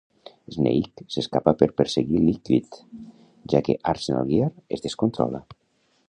Snake s'escapa per perseguir Liquid, ja que Arsenal Gear es descontrola.